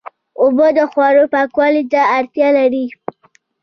اوبه د خوړو پاکوالي ته اړتیا لري.